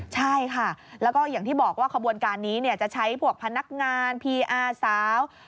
ใช่ค่ะแล้วก็อย่างที่บอกว่าขบวนการนี้จะใช้พวกพนักงานพีอาสาว